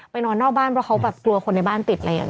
นอนนอกบ้านเพราะเขาแบบกลัวคนในบ้านติดอะไรอย่างนี้